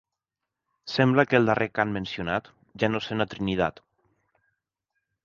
Sembla que el darrer cant mencionat ja no es sent a Trinidad.